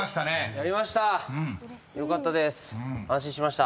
やりました！